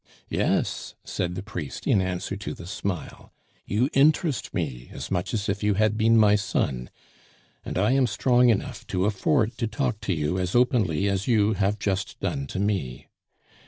"Yes," said the priest, in answer to the smile, "you interest me as much as if you had been my son; and I am strong enough to afford to talk to you as openly as you have just done to me.